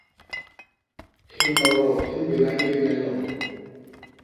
Hinodol hi mbéna yééne lom.